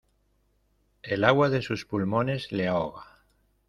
el agua de sus pulmones le ahoga.